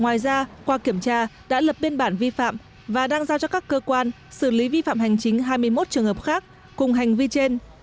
ngoài ra qua kiểm tra đã lập biên bản vi phạm và đang giao cho các cơ quan xử lý vi phạm hành chính hai mươi một trường hợp khác cùng hành vi trên